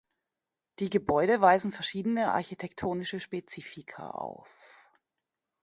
Die Gebäude weisen verschiedene architektonische Spezifika auf.